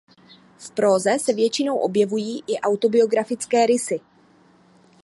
V próze se většinou objevují i autobiografické rysy.